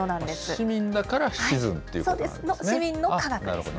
市民だからシチズンということなんですね。